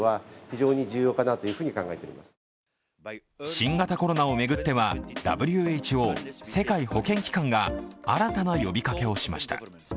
新型コロナを巡ってはＷＨＯ＝世界保健機関が新たな呼びかけをしました。